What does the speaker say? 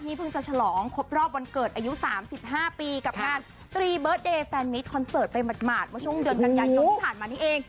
พี่เลยจะชาวงครบรอบวันเกิดอายุ๓๕ปีกับงานตีฟ้าแฟนมิตรคอนเสิร์ตมาช่วงเดือนกันใหญ่จนที่ผ่านมานี้เอง